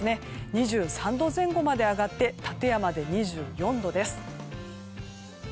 ２３度前後まで上がって館山で２４度です。